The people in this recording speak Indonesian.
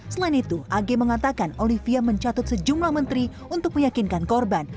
selain itu ag mengatakan olivia mencatut sejumlah menteri untuk meyakinkan korban